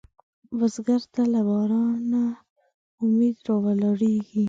بزګر ته له بارانه امید راولاړېږي